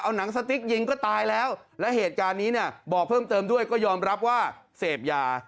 หนังสติ๊กยิงก็ตายแล้วแล้วเหตุการณ์นี้เนี่ยบอกเพิ่มเติมด้วยก็ยอมรับว่าเสพยา